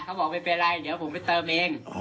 เขาบอกไม่เป็นไรเดี๋ยวผมไปเติมเอง